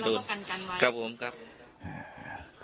ข้างในอะไรยังไง